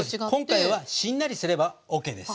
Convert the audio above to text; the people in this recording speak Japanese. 今回はしんなりすればＯＫです。